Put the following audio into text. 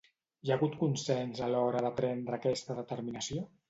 Hi ha hagut consens a l'hora de prendre aquesta determinació?